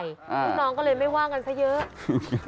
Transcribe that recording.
ลูกน้องก็เลยไม่ว่ากันซะเยอะ